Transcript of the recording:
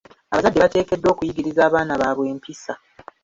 Abazadde bateekeddwa okuyigiriza abaana baabwe empisa.